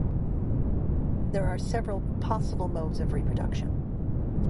There are several possible modes of reproduction.